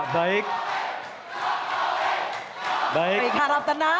baik harap tenang